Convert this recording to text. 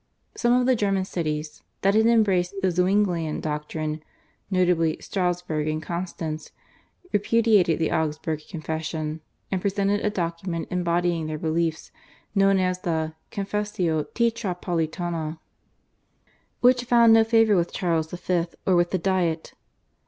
Some of the German cities that had embraced the Zwinglian doctrine, notably, Strassburg and Constance, repudiated the Augsburg Confession, and presented a document embodying their beliefs, known as the /Confessio Tetrapolitana/ which found no favour with Charles V. or with the Diet.